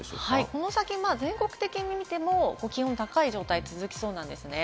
この先、全国的に見ても気温が高い状態が続きそうなんですね。